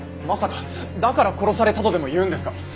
まさかだから殺されたとでも言うんですか？